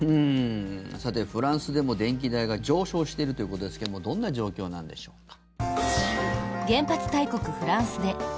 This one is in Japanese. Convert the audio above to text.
さて、フランスでも電気代が上昇しているということですけどもどんな状況なのでしょうか。